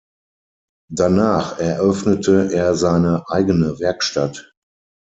Danach eröffnete er seine eigene Werkstatt.